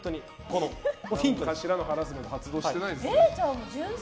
ハラスメント発動してないですよ。